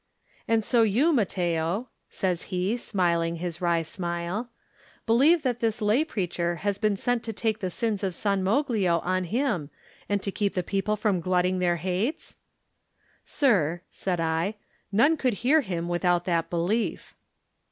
"And so you, Matteo," says he, smiling his wry smile, "believe that this lay preacher has been sent to take the sins of San Moglio on him and to keep the people from glutting their hates?" "Sir," said I, "none could hear him with out that belief."